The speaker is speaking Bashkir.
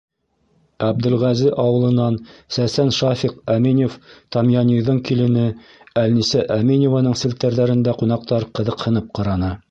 Әбделғәзе ауылынан сәсән Шафиҡ Әминев-Тамъяниҙың килене Әлнисә Әминеваның селтәрҙәрен дә ҡунаҡтар ҡыҙыҡһынып ҡараны.